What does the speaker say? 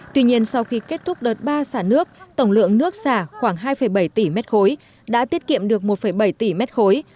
tuy nhiên sau khi kết thúc đợt ba xả nước tổng lượng nước xả khoảng hai bảy tỷ mét khối đã tiết kiệm được một bảy tỷ mét khối